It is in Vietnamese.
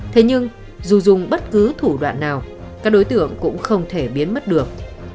thế nhưng dù dùng bất cứ thủ đoạn nào các đối tượng cũng không thể biến mất được